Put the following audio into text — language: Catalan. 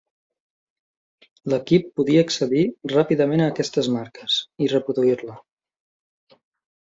L'equip podia accedir ràpidament a aquestes marques i reproduir-la.